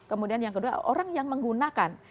kemudian yang kedua orang yang menggunakan